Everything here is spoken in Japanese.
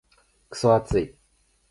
クソ暑い。